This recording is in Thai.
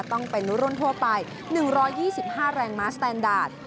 ต้องเป็นรุ่นทั่วไป๑๒๕แรงมาสแตนดาร์ด